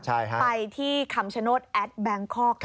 ไปที่คำชะโน้ทแอทแบงคล่อก